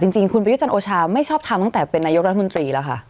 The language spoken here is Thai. จริงคุณประยุจันทร์โอชาไม่ชอบทำตั้งแต่เป็นนายกรัฐมนตรีแล้วค่ะ